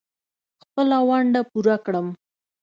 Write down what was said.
خپله ونډه پوره کړم.